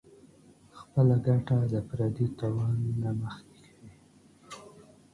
خپله ګټه د پردي تاوان نه مخکې کوي -